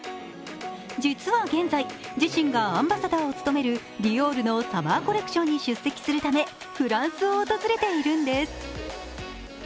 実は現在、自身がアンバサダーを務めるディオールのサマーコレクションに出席するためフランスを訪れているんです。